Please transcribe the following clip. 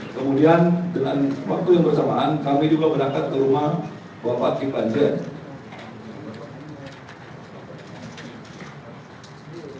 kemudian dengan waktu yang bersamaan kami juga berangkat ke rumah bapak ki banjar